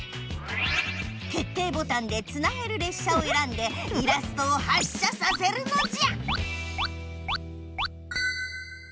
決定ボタンでつなげるれっしゃをえらんでイラストを発車させるのじゃ！